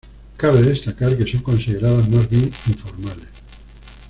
Cabe destacar que son consideradas más bien informales.